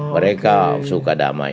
mereka suka damai